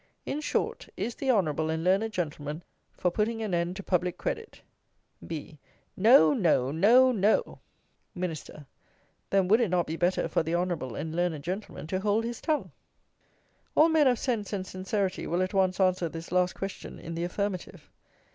In short, is the honourable and learned Gentleman for putting an end to "public credit"? B. No, no, no, no! MIN. Then would it not be better for the honourable and learned Gentleman to hold his tongue? All men of sense and sincerity will at once answer this last question in the affirmative.